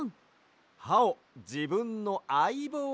はをじぶんの「あいぼう」